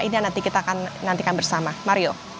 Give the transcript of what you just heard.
ini nanti kita akan nantikan bersama mario